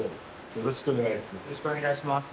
よろしくお願いします。